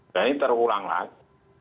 dan ini terulang lagi